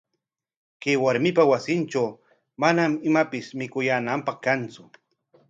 Chay warmipa wasintraw manam imapis mikuyaananpaq kantsu.